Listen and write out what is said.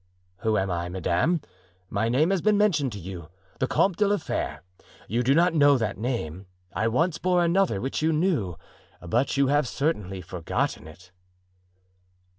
"Who I am, madame? My name has been mentioned to you—the Comte de la Fere; you do not know that name. I once bore another, which you knew, but you have certainly forgotten it."